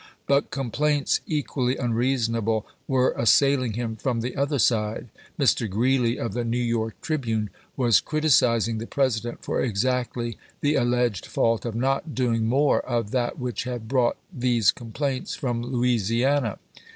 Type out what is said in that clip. But complaints equally unreasonable were assailing him from the other side. Mr. Greeley of the " New York Tribune" was criticizing the President for exactly the alleged fault of not doing more of that which had brought these complaints from Louisiana.